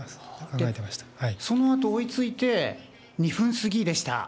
そのあと追いついて、２分過ぎでした。